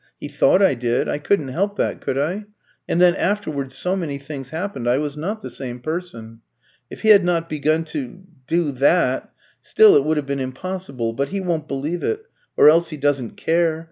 He thought I did. I couldn't help that, could I? And then afterwards so many things happened I was not the same person. If he had not begun to do that, still it would have been impossible. But he won't believe it, or else he doesn't care.